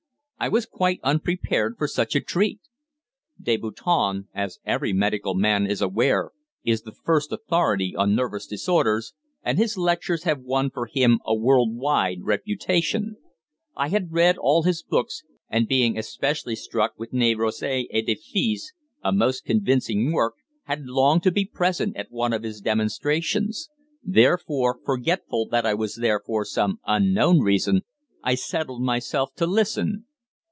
I was quite unprepared for such a treat. Deboutin, as every medical man is aware, is the first authority on nervous disorders, and his lectures have won for him a world wide reputation. I had read all his books, and being especially struck with "Névroses et Idées Fixes," a most convincing work, had longed to be present at one of his demonstrations. Therefore, forgetful that I was there for some unknown reason, I settled myself to listen.